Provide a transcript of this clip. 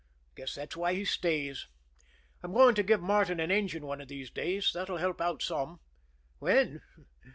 Guess that's why he stays. I'm going to give Martin an engine one of these days. That'll help out some. When?